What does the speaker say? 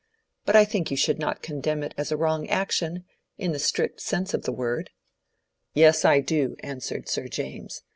But I think you should not condemn it as a wrong action, in the strict sense of the word." "Yes, I do," answered Sir James.